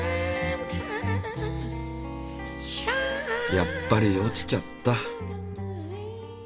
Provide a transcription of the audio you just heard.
やっぱり落ちちゃった。